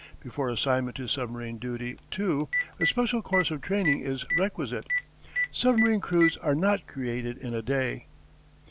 Before assignment to submarine duty, too, a special course of training is requisite. Submarine crews are not created in a day.